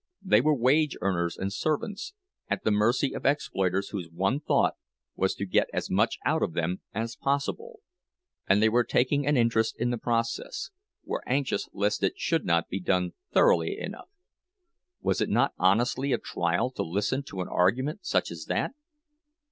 They were wage earners and servants, at the mercy of exploiters whose one thought was to get as much out of them as possible; and they were taking an interest in the process, were anxious lest it should not be done thoroughly enough! Was it not honestly a trial to listen to an argument such as that?